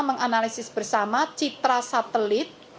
menganalisis bersama citra satelit